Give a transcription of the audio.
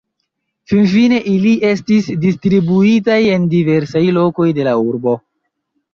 Finfine ili estis distribuitaj en diversaj lokoj de la urbo.